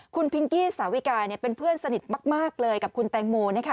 คุณพิงกี้สาวิกาเป็นเพื่อนสนิทมากเลยกับคุณแตงโมนะคะ